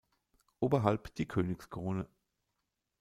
Oberhalb die Königskrone.